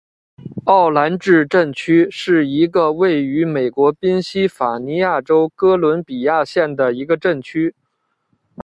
奥兰治镇区是一个位于美国宾夕法尼亚州哥伦比亚县的一个镇区。